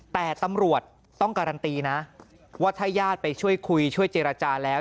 แต่ตำรวจต้องการันตีนะว่าถ้าญาติไปช่วยคุยช่วยเจรจาแล้ว